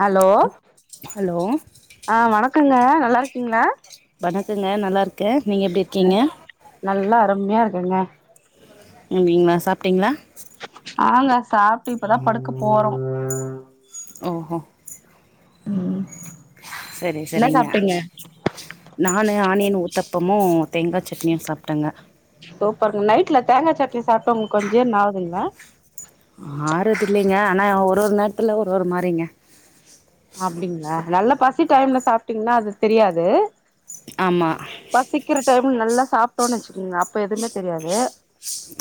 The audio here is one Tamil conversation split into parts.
ஹலோ ஹலோ ஆ வணக்கங்க நல்லா இருக்கீங்களா வணக்கங்க நல்லாருக்கே நீங்க எப்டி இருக்கீங்க நல்லா அருமையா இருக்குங்க [unintelligible] ங்ளா சாப்ட்டீங்ளா ஆங்க சாப்ட்டு இப்ப தா படுக்க போறோ ஓஹோ உம் சேரிங் சேரிங்க நானு ஆனியன் ஊத்தப்பமு தேங்கா சட்னியு சாப்ட்டங்க சூப்பருங் நைட்ல தேங்கா சட்னி சாப்ட்டு உங்குளுக் கொஞ்ச் ஜீரண ஆவுதுங்களா ஆற்றதில்லைங்க ஆனா ஒரு ஒரு நேரத்துல ஒரு ஒரு மாறிங்க அப்டிங்ளா நல்லா பசி டைம்ல சாப்ட்டீங்கனா அது தெரியாது ஆமா பசிக்கிற டைம்ல நல்லா சாப்ட்டோன் வெச்சுக்கோங்க அப்ப எதுமே தெரியாது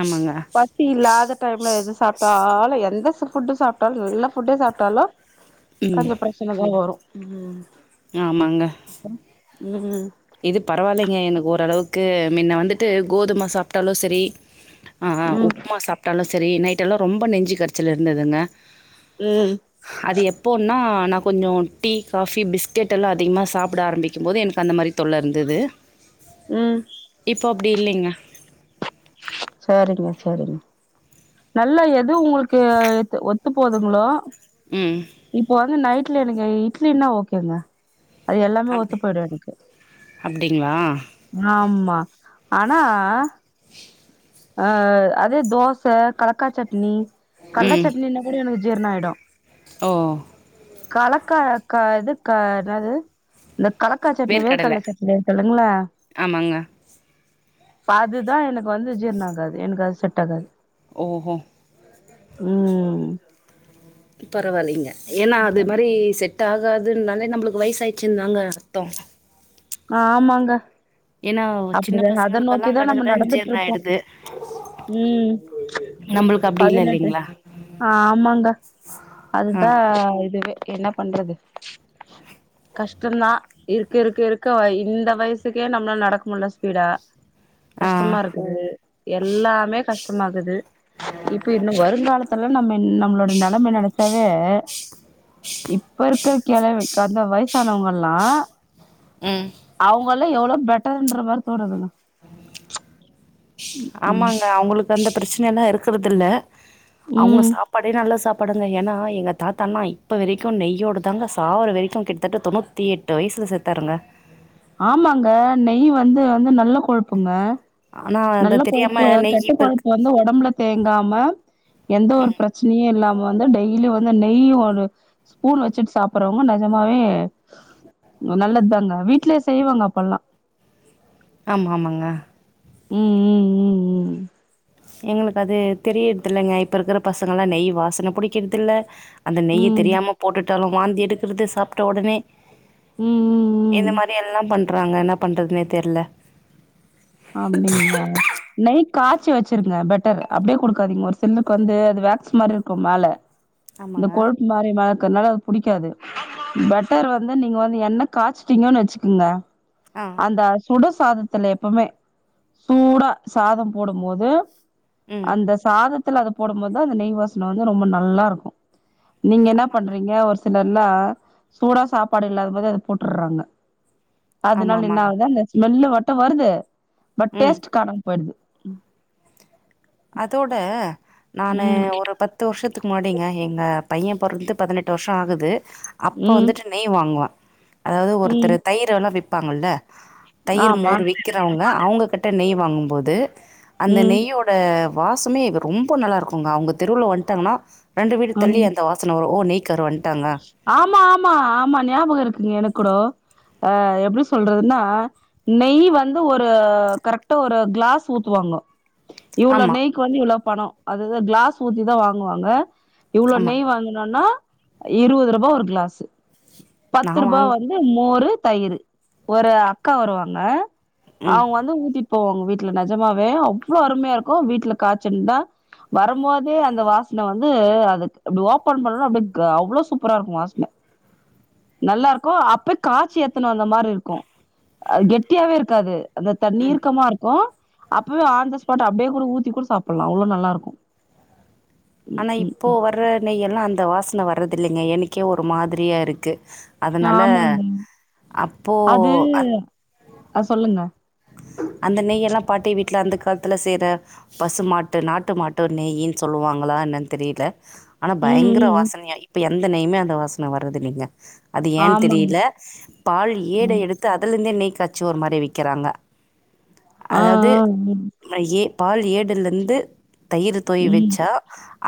ஆமாங்க ஃபிரீ இல்லாத டைம்ல எது சாப்ட்டாலு எந்த ஃபுட்டு சாப்ட்டாலு நல்ல ஃபுட்டே சாப்ட்டாலு ம் கொஞ்சோ பிரச்சனதா வரும் ம் ஆமாங்க ம் இது பரவால்லங்க எனக்கு ஓரளவுக்கு முன்ன வந்துட்டு கோதும சாப்ட்டாலு செரி ஆ ஆ ம் ம் உப்புமா சாப்ட்டாலு சேரி நைட்டெலா ரொம்ப நெஞ்சு கரைச்சல் இருந்ததுங்க ம் அது எப்போனா நா கொஞ்சோ டீ காபி பிஸ்கெட் எல்லா அதிகமா சாப்ட ஆரம்பிக்கும் போது எனக்கு அந்த மாரி தொல்ல இருந்தது ம் இப்போ அப்டி இல்லங்க ம்ச் சேரிங்க சேரிங்க நல்லா எது உங்களுக்கு ஒத்து போதுங்களோ ம் இப்ப வந்து நைட்ல எனக்கு இட்லனா ஓகேங்க அது எல்லாமே அப் ஒத்து போயிடு எனக்கு அப்டிங்களா ஆமா ஆனா அ அதே தோச கலக்கா சட்னி கல்ல ம் சட்னின்னா கூட எனக்கு ஜீர்ணம் ஆயிடு ஓ கலக்கா இது க என்னது இந்த கலக்கா சட்னி வேர்க்கடல வேர்கடல சட்னி இருக்கு இல்லங்களா ஆமாங்க அதுதா எனக்கு வந்து ஜீர்ணம் ஆகாது எனக்கு அது செட் ஆகாது ஓ ஹோ ம் பரவாயில்லைங்க ஏன்னா அது மாரி செட் டாகாதுனாலே நம்மளுக்கு வயசாச்சுந்தாங்க அர்த்தோ ஆமாங்க ஏன்னா சின்ன அப்படிதா அத பசங்களுக்கெல்லா நோக்கிதா நம்ம கடகடன் நடந்துட்டு ஜீர்ணம் இருக்கோ ஆயிடுது ம் நம்பளுக்கு அப்டி இல்ல பதினெட்டு இல்லிங்களா ஆமாங்க அதுதா இதுவே என்ன பண்றது கஷ்டம் தா இருக்க இருக்க இருக் க இந்த வயசுக்கே நம்மள நடக்க முடில ஸ்பீடா ஆ ஆ கஷ்டமா இருக்குது எல்லாமே கஷ்டமாக்குது இப்ப இன்னு வருங்காலத்த எல்லா நம்ம நம்மளோடைய நெலம நினைச்சாவே இப்ப இருக்கிற கெளவ அந்த வயசானவங்கல்லா ம் அவங்கல்லா எவ்ளோ பெட்டர்ன்ற மாரி தோனுதுங்க ம் ஆமாங்க அவங்களுக்கு அந்த பிரச்சன எல்லா இருக்கறது இல்ல அவங்க ம் சாப்பாடே நல்லா சாப் படங்க ஏன்னா எங்க தாத்தாண்ணா இப்ப வரைக்கும் நெய்யோடு தாங்க சாவ வரைக்கும் கிட்டத்தட்டு தொண்ணூ த்தி எட்டு வயசில செத்தாருங்க ஆமாங்க நெய் வந்து வந்து நல்ல கொழுப்புங்க ஆனா அந்த நல்ல தெரியாம கொழுப்பு நெய் கெட்ட இப்ப இருக்கு கொழுப்பு வந்து உடம்புல தேங்காம எந்த ஒரு பிரச்சனையு இல்லா வந்து டெய்லி வந்து நெய் ஒரு ஸ்பூன் வச்சுட்டு சாப்பறவங்க நஜமாவே நல்லது தாங்க வீட்லே செய்வாங்க அப்போல்லா ஆமா ஆமாங்க ம் ம் ம் ம் இவங்களுக்கு அது தெரியிறது இல்லங்க இப்ப இருக்கிற பசங்க எல்லா நெய் வாசனை பிடிக்கிறது இல்ல அந்த ம் ம் நெய்ய ம் தெரியாம போட்டுட்டாலு வாந்தி எடுக்கறது சாப்ட்ட உடனே ம் ம் ம் இந்த மாரி எல்லாம் பண்றாங்க என்ன பண்றதுன்னே தெர்ல அப்டிங்களா நெய் காய்ச்சி வெச்சிருங்க பெட்டர் அப்டே குடுக்காதீங்க ஒரு சிலருக்கு வந்து அது வேக்ஸ் மாரி இருக்கும் மேல இந்த ஆமாங்க கொழுப்பு மாரி மெதக்கிறதுனால அது புடிக்காது பட்டர் வந்து நீங்க வந்து எண்னெ காய்ச்சுட்டீங்கன்னு வச்சுக்கங்க ஆ அந்த சுடசாதத்துல எப்பமே சூடா சாதம் போடும் போது ம் அந்த சாதத்துல அத போடும்போதுதா அந்த நெய் வாசனை வந்து ரொம்ப நல்லா இருக்கு நீங்க என்ன ஆமாங்க பண்றீங்க ஒரு சில சிலர் எல்லா சூடா சாப்பாடு இல்லாத போது அத போட்டுறாங்க ஆமா அதனால என்ன ஆமாங்க ஆகுது அந்த ஸ்மெல்லு மட்டு வருது பட் ம் டேஸ்ட் காணாம போயிடுது அதோட நானு ம் ஒரு பத் பத்து வருஷத்துக்கு முன்னடிங்க எங்க பைய பொறந்து பதினெட்டு வருஷோ ஆகுது அப்ப ம் வந்துட்டு நெய் வாங்குவ அதாவது ஒருத்தர் ம் தயிர் எல்லா விப்பாங்கல்ல தயிர் ஆமா மோறு விக்கத் அவுங்க அவுங்க கிட்ட நெய் வாங்கும்போது அந்த ம் நெய்யோட வாசமே ரொம்ப நல்லா இருக்கும்ங்க அவுங்க தெருவுல வந்துட்டாங்கன்னா ரெண்டு வீடு ம் தள்ளி அந்த வாச ன வரு ஓ நெய் காரு வந்ட்டாங்க ஆமா ஆமா ஆமா ஞாபகோ இருக்குங்க எனக் கூட அ எப்டி சொல்றதுன்னா நெய் வந்து ஒரு கரெக்டா ஒரு கிளாஸ் ஊத்துவாங்க இவ்ளோ ஆமா நெய்க்கு வந்து இவ்ளோ பணம் அதுதா கிளாஸ் ஊத்திதா வாங்குவாங்க இவ்வளோ ஆமா நெய் வாங்கனுனா இருவது ரூபா ஒரு கிளாஸு நா பத்து ரூபா வாங்க வந்து மோரு தயிரு ஒரு அக்கா வருவாங்க ம் அவுங்க வந்து ஊத்திட் போ அவுங்க வீட்ல நேஜமாவே அவ்ளோ அருமையா இருக்கு வீட்ல காய்ச்சிந்தா வரும்போதே அந்த வாசன வந்து அதுக்கு அப்டி ஓப்பன் பண்ணோனே அப்டி க்க அவ்வளோ சூப்பரா இருக்கு வாசன நல்லா இருக்கு அப்பே காய்ச்சி எத்துனு வந்த மாரி இருக்கு கெட்டியாவே இருக்காது அந்த தண்ணி இர்கக்கமா இருக்கோ அப்பவே ஆன் த ஸ்பாட் அப்டியே கூட ஊத்தி கூட சாப்பல்லா அவ்வளோ நல்லா இருக்கோ ஆனா இப்போ வர்ற நெய் எல்லா அந்த வாசன வர்றதில்லைங்க எனக்கே ஒரு மாதிரியா இருக்கு அதுனால ஆமாங்க அப்போ அந் ஆ சொல்லுங்க அந்த நெய்யல்லா பாட்டி வீட்ல அந்த காலத்துல செய்யிற பசுமாட்டு நாட்டு மாட்டு நெய்யின்னு சொல்லுவாங்களா என்னன்னு தெரியல ஆனா ம் பயங்கர ம் ம் வாசனையா இப்ப எந்த நெய்யுமே அந்த வாசன வரதில்லைங்க அது ஏன்னு ஆமாங்க தெரியல பால் ஏட எடுத்து அதலேந்தே நெய் காய்ச்சி ஒரு மாரி விக்கிறாங்க ஆ அதாவது ஆ ம் ஏ பால் ஏடுல இருந்து தயிர் தோயி ம் வெச்சா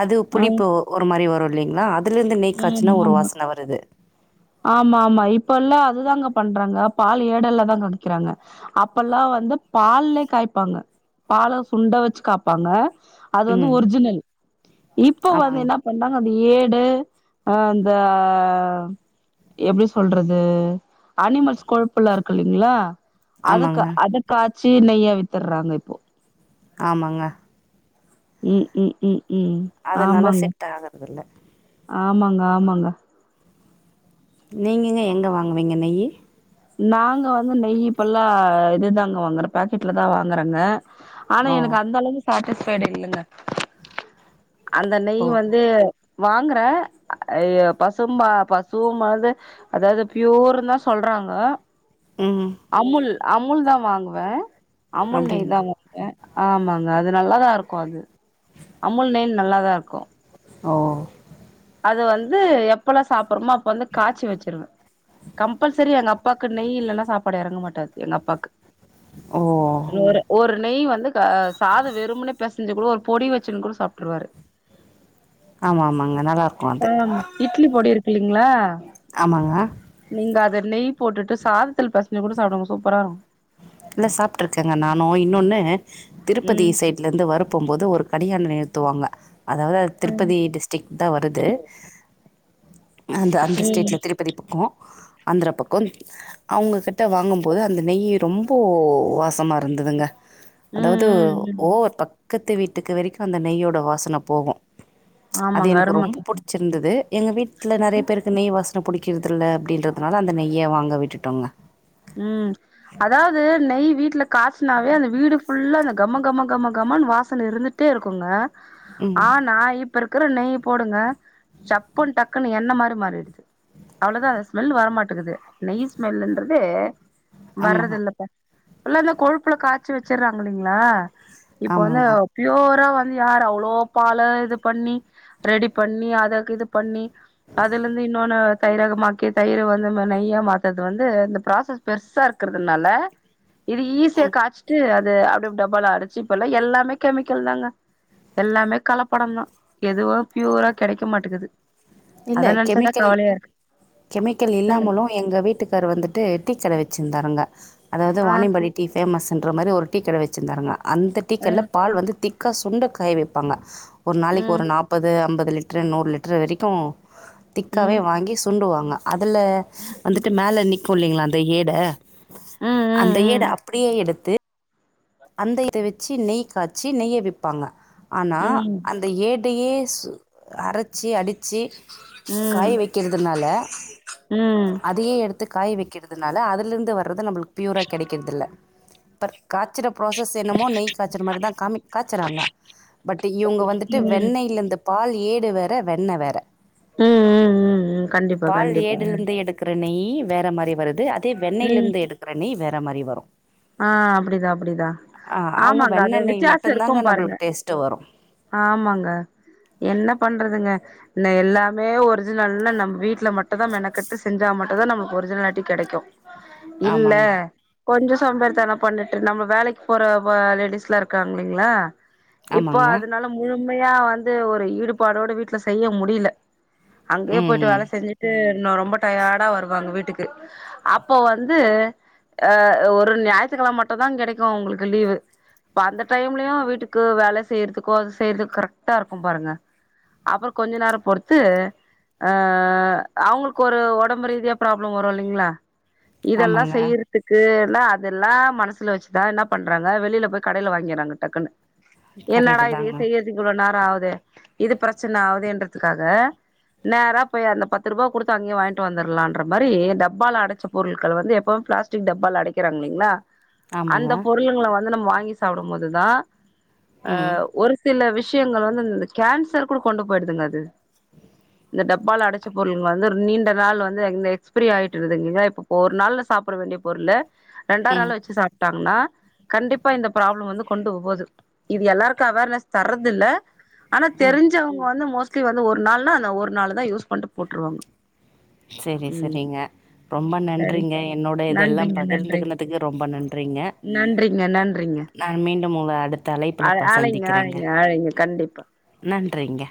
அது ஆ புளிப்பு ஒரு மாரி வரு இல்லைங்களா அது அதுல இருந்து நெய் காச்சுனா ஓரு வாசன வருது ஆமா ஆமா இப்ப எல்லா அதுதாங்க பண்றாங்க பால் ஏடல்ல தா தொடைக்கிறாங்க அப்பெல்லா வந்து பால்லயே காய்ப்பாங்க பால சுண்ட வச்சி காய்ப்பாங்க அது வந்து ம் ஒரிஜினல் இப்போ வந்து ஆமாங்க என்ன பண்ணாங்க அந்த ஏடு அ அந்த எப்டி சொல்றது அனிமல்ஸ் கொழுப்புல்லா இருக்கு இல்லலைங்களா அதுக்கு ஆமாங்க அ காய்சி நெய்யா வித்துறாங்க இப்போ ஆமாங்க ம் ம் ம் ம் அதனால ஆமாங்க செட் ஆகறதில்ல ஆமாங்க ஆமாங்க நீங்கங்க எங்கே வாங்குவிங்க நெய்யி நாங்க வந்து நெய் இப்பல்லா இதுதாங்க வாங்குறோ பாக்கெட்ல தா வாங்குறோங்க ஆனா ஓ எனக்கு அந்த அளவுக்கு சாட்டிஸ்பைடு இல்லைங்க அந்த நெய் ஓ வந்து வாங்குறே அ பசு பா பசும் போது அதாவது ப்யூர் தா சொல்றாங்க ம் அமுல் அமுல் தா வாங்குவே அமுல் நெய் தா அப்டிங்களா வா ங்குவே ஆமாங்க அது நல்லாதா இருக்கோ அது அமுல் நெய் நல்லாதா இருக்கு ஓ அது வந்து எப்பல்லா சாப்பறோமோ அப்ப வந்து காய்ச்சி வச்சிருவே கம்பல்சரி எங்க அப்பாக்கு நெய் இல்லைன்னா சாப்பாடு இறங்க மாட்டாது எங்க அப்பாவுக்கு ஓ ஒரு ஒரு நெய் வந்து க சாதோ வெறும்னே பெசஞ்சி கூட ஒரு பொடி வச்சின்னு கூட சாப்ட்டுருவாரு ஆமா ஆமாங்க நல்லா இருக் ஆ இட்லி பொடி இருக்கு இல்லலைங்களா ஆமாங்க நீங்க அத நெய் போட்டுட்டு சாதத்தில் பெசஞ்சு கூட சாப்பிடுங்க சூப்பரா இருக்கு இல்ல சாப்பிட்டு இருக்கேங்க நானு இன்னொன்னு திருப்பதி ம் சைட் எங்ககூட வற போ போது ஒரு கணியாணை நிறுத்துவாங்க அதாவது அது ம் திருப்பதி டிஸ்டரிக் தா வருது அந்த அந்த ம் ஸ்ட்ரீட் ல திரி பக்கோ அந்திரா பக்கோ அவுங்க கிட்ட வாங்கும்போது அந்த நெய்யி ரொம்ப வாசமா இருந்ததுங்க அதாவது ம் ம் ஓவர் தா பக்கத்து வீட்டுக்கு வரைக்கோ அந்த நெய்யோட வாசன போகு ம்ச் அது ஆமாங்க எனக்கு அரும ரொம்ப புடிச்சிருந்தது எங்க வீட்டுல நெறையா பேருக் இந்த நெய் வாசனை புடிக்கறதில்லலை அப்டின்றதுனால அந்த நெய்யை வாங்க விட்டுட்டோங்க ம் அதாவது நெய் வீட்டுல காய் சுனாவே அந்த வீடு ஃபுல்லா அந்த கம கம கம கமன்னு வாசனை இருந்துட்டே இருக்குங்க ம் ஆ நா இப் ப இருக்கிற நெய் போடுங்க சப்புன்னு டக்குன்னு எண்ணெ மாரி மாறிடுது அவ்ளோதா அந்த ஸ்மல் வர மாட்டேக்குது நெய் ஸ்மல்ன்ற தே வர்றது ஆமாங்க இல்லப்ப எல்லாதா கொழுப்புல காய்சு வச்சடுறாங்க இல்லைங்களா இப்ப வந்து ஆமாங்க பியோரா வந்து யாரு அவ்ளோ பால இது பண்ணி ரெடி பண்ணி அதக்கு இது பண்ணி அதுல இருந்து இன்னொன்னு தயிராக மாக்கி தயிர வந்து நெய்யா மாத்தறது வந்து இந்த பராசஸ் பெருசா இருக்குறதுனால இது ஈஸியா காய்சி ட்டு அது அப்டி டப்பாலா அடிச்சு இப்பெல்லா எல்லாமே கெமிக்கல் தாங்க எல்லாமே கலப்படம் தா எதுவு ப்யூரா கிடைக்க மாட்டேக்குது இல்ல கெமிக்கல் கெமிக்கல் சொல்லுங்க இல்லாமலு எங்க வீட்டுக்கார் வந்துட்டு டீ கடை வெச்சிருந்தாருங்க அதாவது ஆ வானியம்பாடி டீ ஃபேமஸ்ன்ற மாரி ஒரு டீ கடை வெச்சுருந்தாருங்க அந்த ஆ டீக்கடையில பால் வந்து திக் கா சுண்ட காய வைப்பாங்க ஒரு நாளைக்கு ஒரு ம் நாப்பது அம்பது லிட்டர் நூறு லிட்டர் வரைக் கு திக்காவே ம் வாங்கி சுண்டுவாங்க அதுல ம் வந்துட்டு மேல நிக் கு இல்லீங்களா அந்த ஏடை அந்த ஏடை ம் அப்படியே எடுத் அந்த இத வச்சு நெய் காய்ச்சி நெய்ய விப்பாங்க ஆனா ம் அந் த ஏடையே சு அரைச்சி அடிச்சு ம் காய ம் வைக்கிறதுனால ம் அதையே எடுத்து காய வைக்கிற துனால அதுல இருந்து வர்றது நம்மளுக்கு ப்யூரா கிடைக்கறதில்ல பர் ச்சுற ப்ராசஸ் என்னமோ நெய் காச்சுற மாரிதா காமி காச்சறாங்க பட் இவுங்க வந்துட்டு ம் வெண்ணெய்யில இருந்து பால் ஏடு வேற வெண்ணெ வேற ம் ம் ம் ம் கண்டிப்பா பால் கண்டிப்பா ஏடிலருந்து எடுக் குற நெய் வேற மாரி வருது அதே வெண்ணெயில ம் இருந்து எடுக்கிற நெய் வேற மாரி வரு ஆ அப்படிதா அப்படிதா ஆ அவுங்க வெண்ண நெய் மட்டுந்தாங்க பாருங்க நம்மளுக்கு டேஸ்ட்டு வரு ஆமாங்க என்ன பண்றதுங்க இன்ன எல்லாமே ஒரிஜினல்னா நம்ம வீட்ல மட் டு தா மெனக்கட்டு செஞ்சா மட்டும் தான் நமக்கு ஒரிஜினாலிட்டி கெடைக்கு இல்ல ஆமாங்க கொஞ்ச சோம்பேறி தன பண்ணிட்டு நம்ம வேலைக்கு போற லேடீஸ் எல்லா இருக்காங்க இல்லீங்களா இப்போ ஆமாங்க அதனால முழுமையா வந்து ஒரு ஈடுபாடோட வீட்ல செய்ய முடில அங்கயே ம் போய்ட்டு ம் வேலை செஞ்சு ட்டு ரொம்ப டயர்டா வருவாங்க வீட்டுக்கு அப்போ வந்து அ ஒ ஒரு ஞாயித்துக்கிழம மட்டுந்தா கெடைக்கு உங்களுக்கு லீவு இப்ப அந்த டைம்லயு வீட்டுக்கு வேலை செய்யறதுக்கோ அது செய்யறது கரெக்டா இருக்கும் பாருங்க அப்புற கொஞ்ச நேர பொறுத்து ஆ அவுங்களுக்கு ஒரு உடம்பு ரீதியா ப்ராப்ளம் வரு இல்லைங்களா இதெல்லா ஆமாங்க செய்யறதுக்கு லா இதெல்லா மனசுல வெச்சுதா என்ன பண்றாங்க வெளில போய் கடையில வாங்கிறாங்க டக்குன்னு என்னடா கரெக்டு இது தாங்க செய்றக்கு இவ்வளவு நேரம் ஆகுது இது பிரச்சனை ஆகுதேன்றதுக்காக நேரா போய் அந்த பத்து ரூபா குடுத்து அங்கேயே வாங்கிட்டு வந்துர்லான்ற மாரி டப்பால அடைச்ச பொருட்கள் வந்து எப்பவு பிளாஸ் டிக் டப்பால அடைக் க்கிறாங்க இல்லங்களா ஆமாங்க அந்த பொருள்ங்கள வந்து நம்ம வாங்கி சாப்பிடும்போது தா அ ம் ஒரு சில விஷயங்கள் வந்து அந்த கேன்சர் கூட கொண்டு போயிடுதுங்க அது இந்த டப்பால்ல அடைச்ச பொருள் வந்து நீண்ட நாள் வந்து எக்ஸ்பரி ஆயிட்றுது இரு இப்ப ஒரு நாள்ள சாப்புட வேண்டிய பொருள்ல ரெண்டா ம் நாள் வெச்சு சாப்ட்டாங்கன்னா கண்டிப்பா இந்த ப்ராப்ளம் வந்து கொண்டு போவுது இது எல்லாருக்கு அவா ர்னஸ் தர்றது இல்ல ஆனா ம் தெரிஞ்சவங்க வந்து மோஸ்ட்லி வந்து ஒரு நாள்னா அந்த ஒரு நாளு தா யூஸ் பண்ணிட்டு போட்டுருவாங்க செரி ம் செரிங்க ரொம்ப சரி நன்றிங்க என்னோட இதெல்லா நன்றிங்க பகிர்ந் நன்றிங்க துகினதுக்கு ரொம்ப நன்றிங்க நன்றிங்க நான் மீண்டும் உங்க அடுத்த அழை அது அழைங்க அழைங்க அழைங்க கண்டிப்பா நன்றிங்க